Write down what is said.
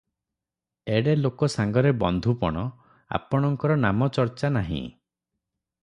ଏଡେ ଲୋକ ସାଙ୍ଗରେ ବନ୍ଧୁପଣ - ଆପଣଙ୍କର ନାମ ଚର୍ଚ୍ଚା ନାହିଁ ।